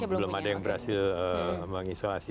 belum ada yang berhasil mengisolasi